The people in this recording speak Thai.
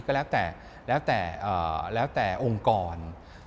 ก็แล้วแต่องค์กร